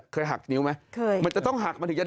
ค่อยหักกินไหมจะต้องหากมาถึงจะ